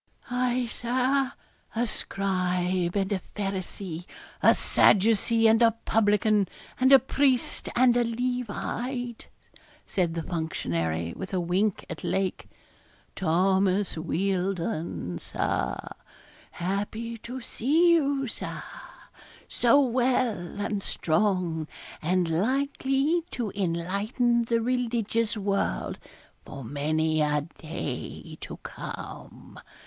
'Aye, Sir, a scribe and a Pharisee, a Sadducee and a publican, and a priest, and a Levite,' said the functionary, with a wink at Lake. 'Thomas Wealdon, Sir; happy to see you, Sir, so well and strong, and likely to enlighten the religious world for many a day to come.